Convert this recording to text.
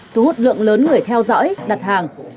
thu hút lượng lớn người theo dõi đặt hàng